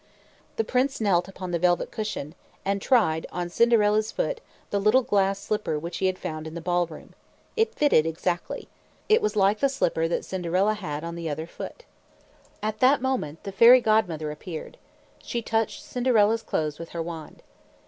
The prince knelt upon the velvet cushion, and tried on Cinderella's foot the little glass slipper which he had found in the ball room. It fitted exactly. It was like the slipper that Cinderella had on the other foot. At that moment, the Fairy Godmother appeared. She touched Cinderella's clothes with her wand.